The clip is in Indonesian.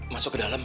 masuk ke dalam